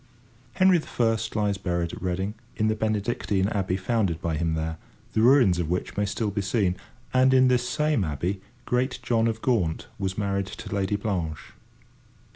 Henry I. lies buried at Reading, in the Benedictine abbey founded by him there, the ruins of which may still be seen; and, in this same abbey, great John of Gaunt was married to the Lady Blanche.